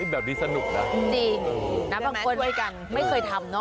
แบบนี้สนุกนะโอ้โฮได้แม้คร่วยกังดีนะบางคนไม่เคยทำเนอะ